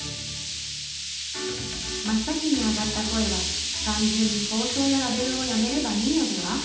真っ先に上がった声は「単純に包装やラベルをやめればいいのでは？」。